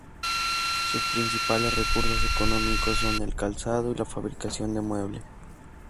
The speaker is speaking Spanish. Sus principales recursos económicos son el calzado y la fabricación de muebles.